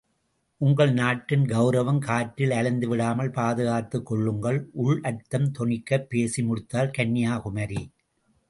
உங்கள் நாட்டின் கவுரவம் காற்றில் அலைந்துவிடாமல், பாதுகாத்துக் கொள்ளுங்கள்! உள் அர்த்தம் தொனிக்கப் பேசி முடித்தாள் கன்யாகுமரி.